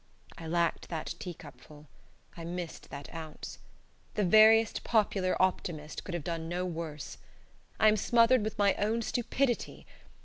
I lacked that teacupful; I missed that ounce. The veriest popular optimist could have done no worse. I am smothered with my own stupidity.